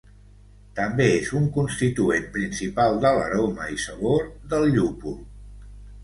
També és un constituent principal de l'aroma i sabor del llúpol.